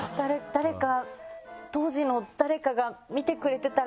誰か！